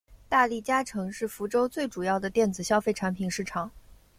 大利嘉城是福州最主要的电子消费产品市场。